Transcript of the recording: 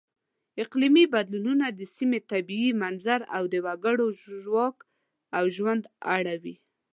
اقلیمي بدلونونه د سیمې طبیعي منظر او د وګړو ژواک او ژوند اړوي.